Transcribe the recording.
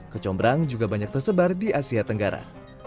kecombrang juga banyak tersebar di asia tenggara